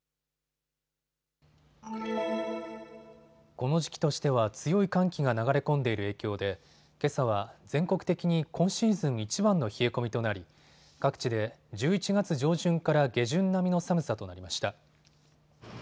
この時期としては強い寒気が流れ込んでいる影響でけさは全国的に今シーズンいちばんの冷え込みとなり各地で１１月上旬から下旬並みの寒さとなりました。